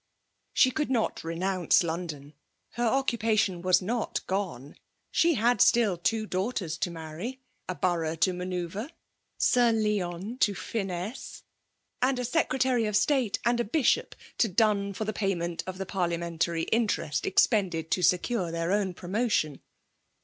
9ie could not renouBGe London — ^her occupatioD was not gone: She bad siall two daugbteis to marry* — a borough to mancsuvr^^Str lieon to finesse, — and a Secretary of Stete and a: Biahopto duK'fiQr the pstymoit of theparlia FEMALE DOMINATION. 327 mentary interest expended to secure their own promotion